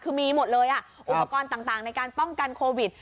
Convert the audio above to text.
คือมีหมดเลยอุปกรณ์ต่างในการป้องกันโควิด